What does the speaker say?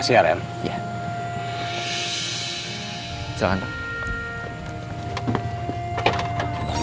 saya dulu mari